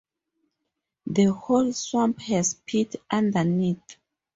The whole swamp has peat underneath.